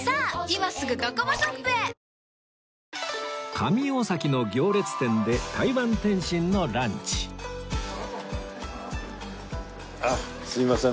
上大崎の行列店で台湾点心のランチあっすみません